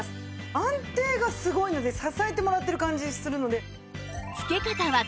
安定がすごいので支えてもらってる感じするので。